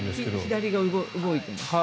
左が動いていますね。